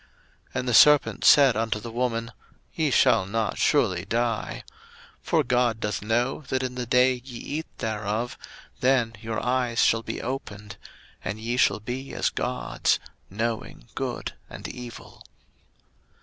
01:003:004 And the serpent said unto the woman, Ye shall not surely die: 01:003:005 For God doth know that in the day ye eat thereof, then your eyes shall be opened, and ye shall be as gods, knowing good and evil.